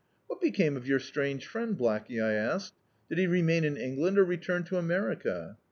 "What be came of your strange friend, Blackey?" I asked. "Did he remain in England, or return to America?"